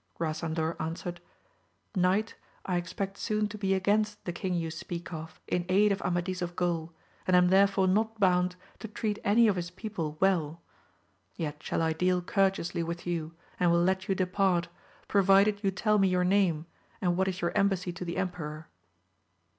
Grasandor an swered, Knight, I expect soon to be against the king you speak of, in aid of Amadis of Gaul, and am there fore not bound to treat any of his people well 3 yet shall I deal courteously with you, and will let you depart, provided you tell me your name, and what is your em bassy to the emperor.